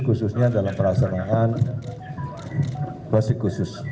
khususnya dalam perasaan proses khusus